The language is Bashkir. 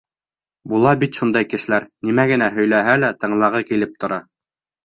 Була бит шундай кешеләр: нимә генә һөйләһә лә, тыңлағы килеп тора.